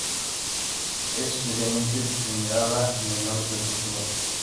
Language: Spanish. Es especialmente venerada en el norte de Portugal.